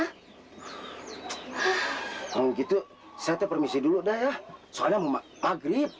hmm gitu saya terpermisi dulu dah ya soalnya maghrib